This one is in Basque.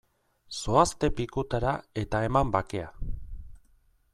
Zoazte pikutara eta eman bakea!